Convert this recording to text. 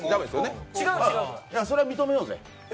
それは認めようぜ。